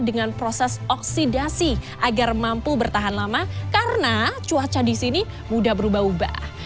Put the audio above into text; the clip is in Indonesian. dengan proses oksidasi agar mampu bertahan lama karena cuaca di sini mudah berubah ubah